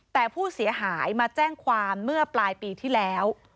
แต่ผู้เสียหายมาแจ้งความเมื่อปลายปีที่แล้ว